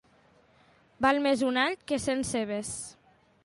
Val més un all que cent cebes.